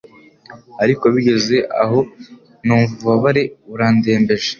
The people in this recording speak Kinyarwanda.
Ariko bigeze aho numva ububabare burandembeje